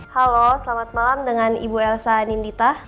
halo selamat malam dengan ibu elsa nindita